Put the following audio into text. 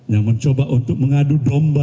yang mencoba untuk mengadu domba